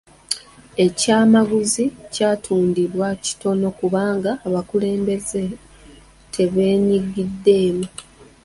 Ekyamaguzi kyatundiddwa kitono kubanga abakulembeze tebeenyigiddemu.